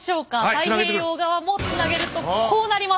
太平洋側もつなげるとこうなります。